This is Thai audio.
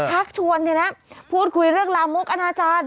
ทักทวนนะพูดคุยเรื่องลามุกอาณาจารย์